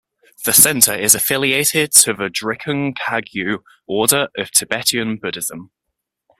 The Center is affiliated to the Drikung Kagyu order of Tibetan Buddhism.